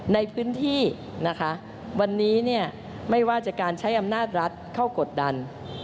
ในพื้นที่นะคะวันนี้เนี่ยไม่ว่าจะการใช้อำนาจรัฐเข้ากดดัน